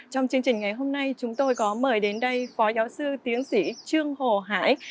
trong chương trình ngày hôm nay chúng tôi có mời đến đây phó giáo sư tiến sĩ trương hồ hải